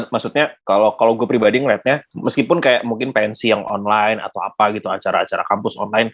maksudnya kalau gue pribadi ngeliatnya meskipun kayak mungkin pensi yang online atau apa gitu acara acara kampus online